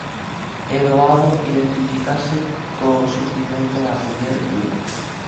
É doado identificarse co sufrimento da muller viúva.